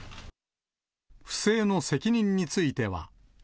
不正の責任については。